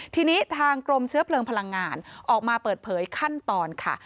ทีนี้ทางกรมเชื้อเพลิงพลังงานออกมาเปิดเผยขั้นตอนค่ะ